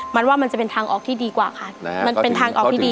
มันว่ามันจะเป็นทางออกที่ดีกว่าค่ะมันเป็นทางออกที่ดี